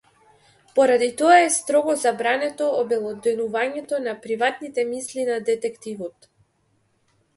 Поради тоа е строго забрането обелоденувањето на приватните мисли на детективот.